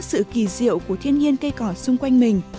sự kỳ diệu của thiên nhiên cây cỏ xung quanh mình